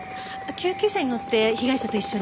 救急車に乗って被害者と一緒に。